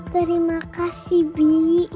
terima kasih bi